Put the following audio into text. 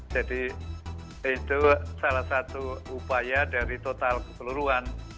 jadi itu salah satu upaya dari total keseluruhan